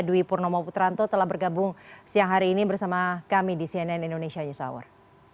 dwi purnomo putranto telah bergabung siang hari ini bersama kami di cnn indonesia news hour